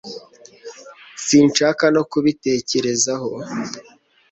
sinshaka no kubitekerezaho